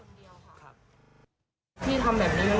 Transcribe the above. เธอกูหรือมึงกูหรือ